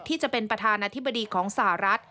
จะเป็นประธานาธิบดีของสหรัฐ